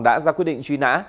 đã ra quyết định truy nã